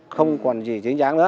không còn gì chứng giám nữa